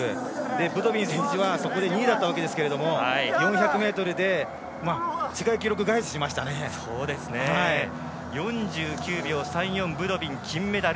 ブドビン選手は、そこで２位だったわけですが４００ｍで世界記録返しを４９秒３４ブドビン、金メダル。